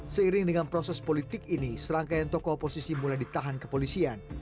seiring dengan proses politik ini serangkaian tokoh oposisi mulai ditahan kepolisian